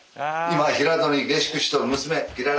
今平戸に下宿しとる娘きらら。